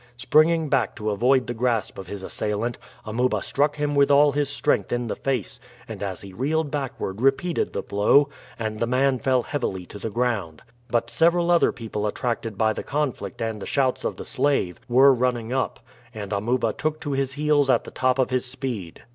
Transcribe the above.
Springing back to avoid the grasp of his assailant, Amuba struck him with all his strength in the face, and as he reeled backward repeated the blow, and the man fell heavily to the ground. But several other people attracted by the conflict and the shouts of the slave, were running up, and Amuba took to his heels at the top of his speed.